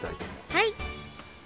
はい。